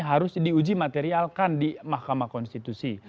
harus diuji materialkan di mahkamah konstitusi